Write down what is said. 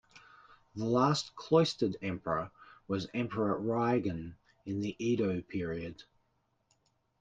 The last cloistered emperor was Emperor Reigen, in the Edo period.